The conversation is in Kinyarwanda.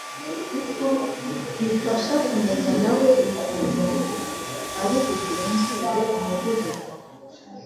kuko bifasha kumenya nawe ukuntu ari bugenzure umuvuduko